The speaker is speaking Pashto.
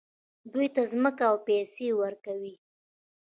دوی ته ځمکه او پیسې ورکوي.